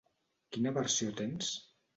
Quina versió tens?